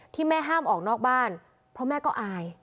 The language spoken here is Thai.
แม่ห้ามออกนอกบ้านเพราะแม่ก็อาย